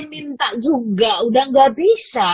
minta juga udah gak bisa